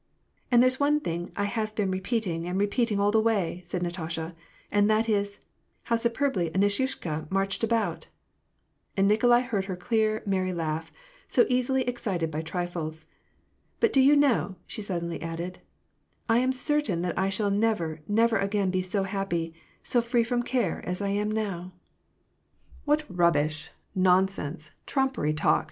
" And there's one thing I have been repeating and repeating all the way," said Natasha, " and that is, ' How superbly Anisyushka marched about !'" And Nikolai heard her clear, merry laugh, so easily excited by trifles. " But do you know," she suddenly added, " I am cer tain that I shall never, never again be bo happy, so free from care as I am now ?" WAR AND PEACE. 279 " What rubbish, nonsenSe, trumpery talk